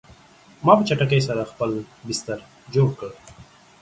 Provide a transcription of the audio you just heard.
ما په چټکۍ سره خپل بستر جوړ کړ